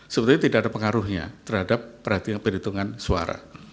sebetulnya tidak ada pengaruhnya terhadap perhitungan suara